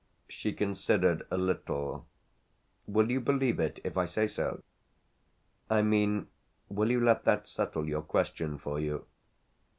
She considered a little. "Will you believe it if I say so? I mean will you let that settle your question for you?"